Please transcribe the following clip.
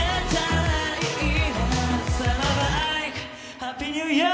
ハッピーニューイヤー。